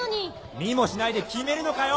見もしないで決めるのかよ！